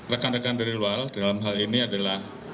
rekan rekan dari luar dalam hal ini adalah